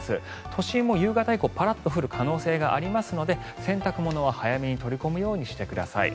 都心でも夕方以降パラッと降る可能性があるので洗濯物を取り込むようにしてください。